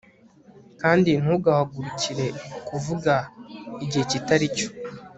kandi ntugahugukire kuvuga igihe kitari cyo